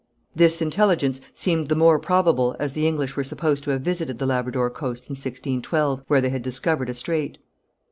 This intelligence seemed the more probable as the English were supposed to have visited the Labrador coast in 1612, where they had discovered a strait.